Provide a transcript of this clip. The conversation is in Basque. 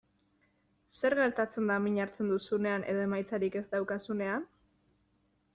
Zer gertatzen da min hartzen duzunean edo emaitzarik ez daukazunean?